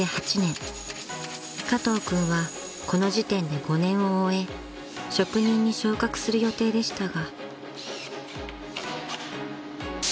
［加藤君はこの時点で５年を終え職人に昇格する予定でしたが］